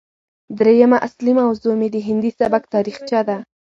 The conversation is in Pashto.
درييمه اصلي موضوع مې د هندي سبک تاريخچه ده